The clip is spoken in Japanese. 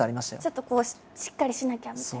ちょっとしっかりしなきゃみたいな。